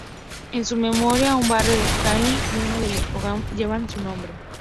En su memoria, un barrio de Cali y uno en Bogotá llevan su nombre.